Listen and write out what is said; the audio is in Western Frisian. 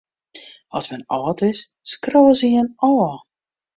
Ast men âld is, skriuwe se jin ôf.